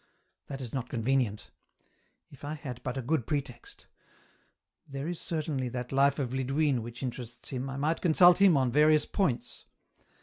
That is not convenient ; if I had but a good pretext ; there is certainly that life of Lidwine which interests him, I might consult him on various points.